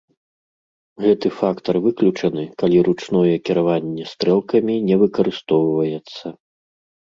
Гэты фактар выключаны, калі ручное кіраванне стрэлкамі не выкарыстоўваецца.